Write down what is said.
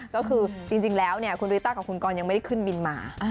ก็คือจริงแล้วคุณริต้ากับคุณกรยังไม่ได้ขึ้นบินมา